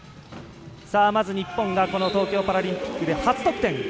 まず、日本が東京パラリンピックで初得点。